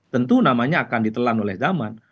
tentu namanya akan ditelan oleh zaman